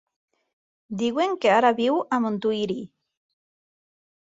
Diuen que ara viu a Montuïri.